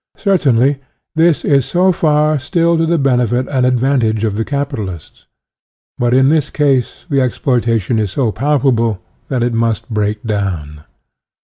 Certainly this is so far still to the benefit and ad UTOPIAN AND SCIENTIFIC 121 vantage of the capitalists. But in this case the exploitation is so palpable that it must break down.